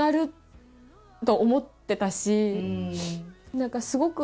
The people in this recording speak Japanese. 何かすごく。